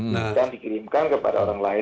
dan dikirimkan kepada orang lain